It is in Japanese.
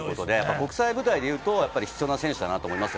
国際舞台でいうと、必要な選手だと思います。